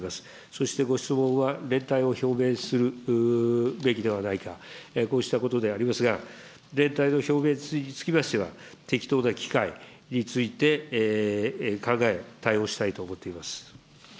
そしてご質問は、連帯を表明するべきではないか、こうしたことでありますが、連帯の表明につきましては、適当な機会について考え、対応したいと思っております。